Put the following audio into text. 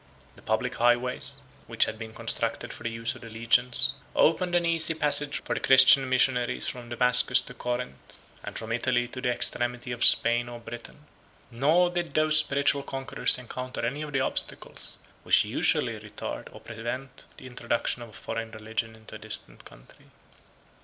The public highways, which had been constructed for the use of the legions, opened an easy passage for the Christian missionaries from Damascus to Corinth, and from Italy to the extremity of Spain or Britain; nor did those spiritual conquerors encounter any of the obstacles which usually retard or prevent the introduction of a foreign religion into a distant country.